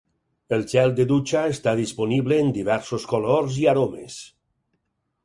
El gel de dutxa està disponible en diversos colors i aromes.